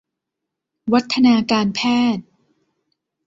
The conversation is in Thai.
วัฒนาการแพทย์